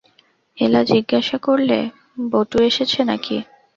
এলা জিজ্ঞাসা করলে, বটু এসেছে না কি?